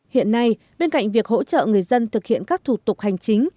hiện nay bên cạnh việc hỗ trợ người dân thực hiện các thủ tục hành chính